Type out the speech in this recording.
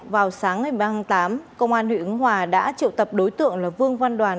vào tháng tám công an huyện ấn hòa đã triệu tập đối tượng là vương văn đoàn